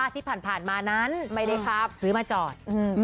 ที่ผ่านมานั้นวัดซื้อมาจอด